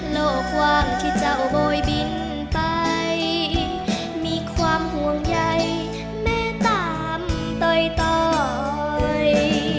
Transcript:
โลกวางที่เจ้าโบยบินไปมีความห่วงใยแม้ตามต่อย